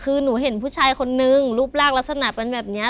คือหนูเห็นผู้ชายคนนึงรูปร่างลักษณะเป็นแบบนี้